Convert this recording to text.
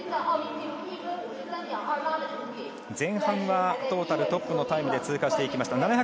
前半はトータルトップのタイムで通過していきました。